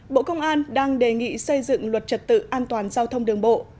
bộ công an đang đề nghị xây dựng luật trật tự an toàn giao thông đường bộ